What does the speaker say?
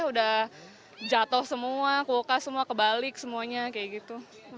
udah jatuh semua kulkas semua kebalik semuanya kayak gitu